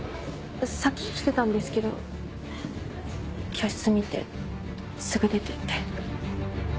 さっき来てたんですけど教室見てすぐ出てって。